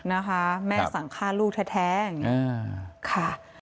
นะคะแม่สั่งฆ่าลูกแท้ค่ะ